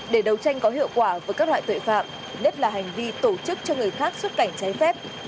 để đấu tranh có hiệu quả với các loại tội phạm nhất là hành vi tổ chức cho người khác xuất cảnh trái phép